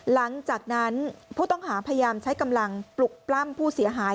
หลังจากนั้นผู้ต้องหาพยายามใช้กำลังปลุกปล้ำผู้เสียหาย